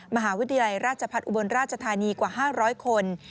มหาวิทยาลัยราชพัฒน์อุบลราชธานีกว่า๕๐๐คน